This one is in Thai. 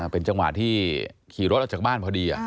เป็นจังหวะที่ขี่รถออกจากบ้านพอดี